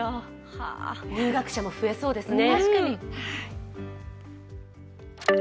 入学者も増えそうですね。